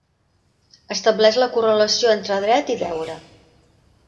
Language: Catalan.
Estableix la correlació entre dret i deure.